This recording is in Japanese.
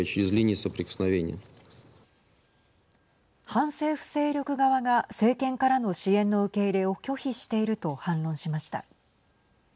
反政府勢力側が政権からの支援の受け入れを拒否していると反論しました。